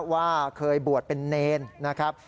ว่าเคยบวชเป็นเนรนะครับ